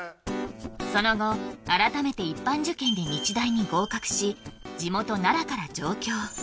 その後改めて一般受験で日大に合格し地元奈良から上京